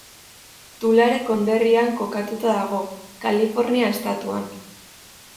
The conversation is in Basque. Tulare konderrian kokatuta dago, Kalifornia estatuan.